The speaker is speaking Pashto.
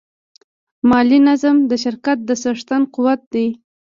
مالي نظم د شرکت د څښتن قوت دی.